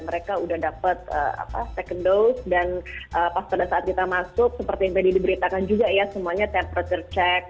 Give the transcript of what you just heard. mereka udah dapat second dose dan pas pada saat kita masuk seperti yang tadi diberitakan juga ya semuanya temperatur check